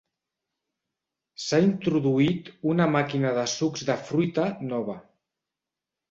S'ha introduït una màquina de sucs de fruita nova.